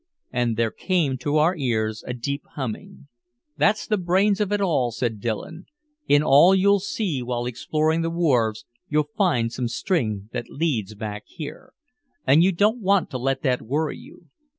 And there came to our ears a deep humming. "That's the brains of it all," said Dillon. "In all you'll see while exploring the wharves you'll find some string that leads back here. And you don't want to let that worry you.